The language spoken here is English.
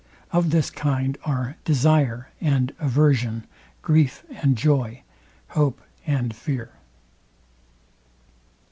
Of this kind are, desire and aversion, grief and joy, hope and fear.